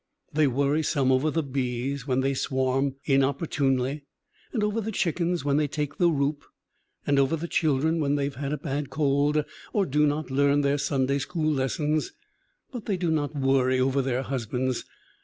They worry some over the bees when they swarm inopportunely and over the chickens when they take the roup, and over the children when they have a bad cold or do not learn their Sunday school lessons, but they do not worry over their husbands.